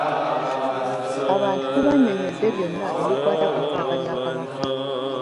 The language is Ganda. Abantu tubannyonnyodde byonna ebikwata ku ttaka lya Kabaka.